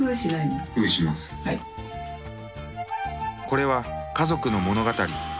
これは家族の物語。